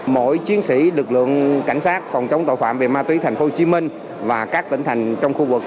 mỗi chiến sĩ lực lượng cảnh sát phòng chống tội phạm về ma túy tp hcm và các tỉnh thành trong khu vực